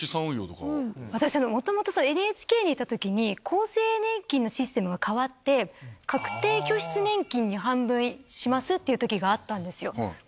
私、もともとＮＨＫにいたときに、厚生年金のシステムが変わって、確定拠出年金に半分しますっていうときがあったんですよ。